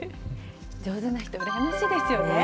上手な人、うらやましいですよね。